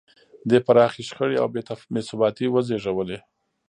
دې پراخې شخړې او بې ثباتۍ وزېږولې.